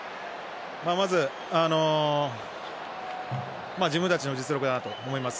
まず、自分たちの実力だなと思います。